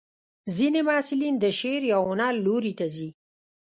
ځینې محصلین د شعر یا هنر لوري ته ځي.